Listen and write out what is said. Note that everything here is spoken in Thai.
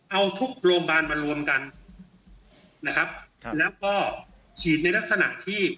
เอาทุกโรงพยาบาลมารวมกันนะครับครับแล้วก็ฉีดในลักษณะที่